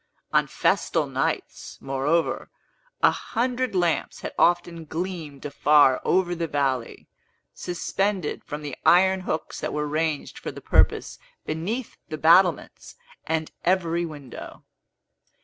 On festal nights, moreover, a hundred lamps had often gleamed afar over the valley, suspended from the iron hooks that were ranged for the purpose beneath the battlements and every window.